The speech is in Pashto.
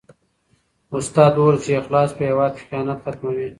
استاد وویل چې اخلاص په هېواد کې خیانت ختموي.